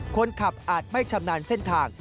อาจไม่ชำนาญเส้นทาง